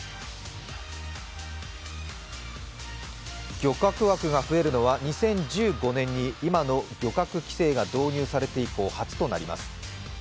漁獲枠が増えるのは２０１５年に、今の漁獲規制が導入されて以降、初となります。